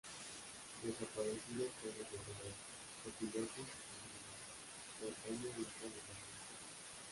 Desaparecidos son los venados, zopilotes y tigrillos, que antaño habitaban en el municipio.